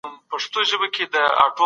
ټولنپوهان له خپلې تجربې کار اخلي.